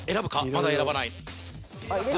まだ選ばない。